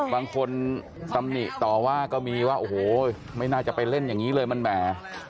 ตำหนิต่อว่าก็มีว่าโอ้โหไม่น่าจะไปเล่นอย่างนี้เลยมันแหม